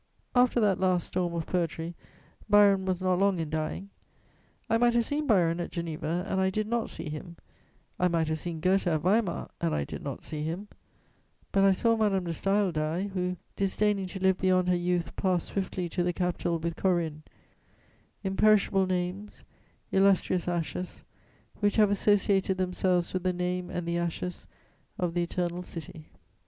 After that last storm of poetry, Byron was not long in dying. I might have seen Byron at Geneva, and I did not see him; I might have seen Goethe at Weimar, and I did not see him; but I saw Madame de Staël die, who, disdaining to live beyond her youth, passed swiftly to the Capitol with Corinne: imperishable names, illustrious ashes, which have associated themselves with the name and the ashes of the Eternal City.